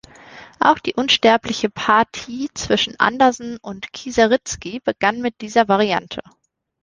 Auch die Unsterbliche Partie zwischen Andersen und Kieseritzky begann mit dieser Variante.